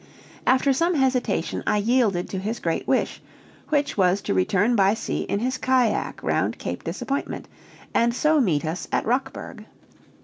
After some hesitation I yielded to his great wish, which was to return by sea in his cajack round Cape Disappointment, and so meet us at Rockburg.